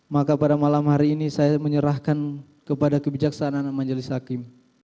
maka pada malam hari ini saya menyerahkan kepada kebijaksanaan majelis hakim